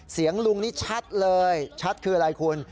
ลุงนี่ชัดเลยชัดคืออะไรคุณ